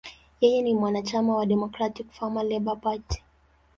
Yeye ni mwanachama wa Democratic–Farmer–Labor Party.